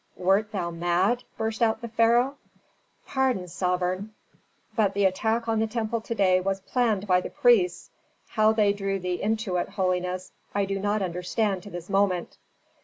"Wert thou mad?" burst out the pharaoh. "Pardon, sovereign, but the attack on the temple to day was planned by the priests. How they drew thee into it, holiness, I do not understand to this moment."